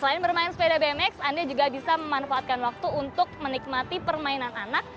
selain bermain sepeda bmx anda juga bisa memanfaatkan waktu untuk menikmati permainan anak